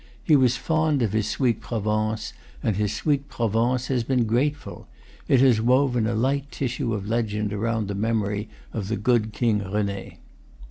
He was fond of his sweet Provence, and his sweet Provence has been grateful; it has woven a light tissue of legend around the memory of the good King Rene.